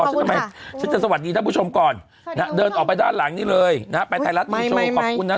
ฉันทำไมฉันจะสวัสดีท่านผู้ชมก่อนนะเดินออกไปด้านหลังนี้เลยนะฮะไปไทยรัฐนิวโชว์ขอบคุณนะ